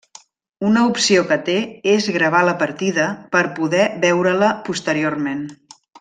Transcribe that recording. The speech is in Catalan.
Una opció que té és gravar la partida per poder veure-la posteriorment.